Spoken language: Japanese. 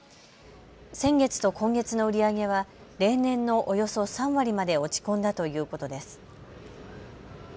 先月と今月の売り上げは例年のおよそ３割まで落ち込んだということです。